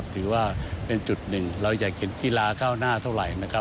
ถือว่าเป็นจุดหนึ่งเราจะคิดกีฬาเข้าหน้าเท่าไหร่